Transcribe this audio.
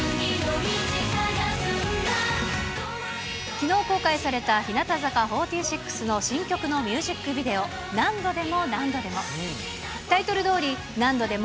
きのう公開された日向坂４６の新曲のミュージックビデオ、何度でも何度でも。